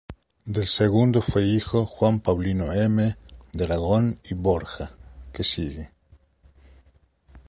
Del segundo fue hijo Juan Paulino M. de Aragón y Borja, que sigue.